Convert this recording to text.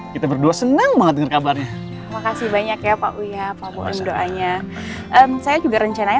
kita berdua senang banget dengan kabarnya makasih banyak ya pak wiyah pak mohon doanya saya juga rencananya